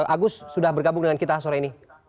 agus sudah bergabung dengan kita sore ini